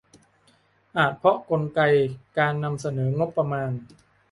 อาจเพราะกลไกการนำเสนองบประมาณ